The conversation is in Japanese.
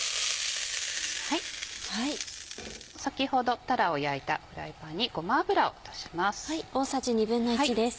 先ほどたらを焼いたフライパンにごま油を足します。